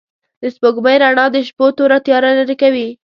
د سپوږمۍ رڼا د شپو توره تياره لېرې کوي.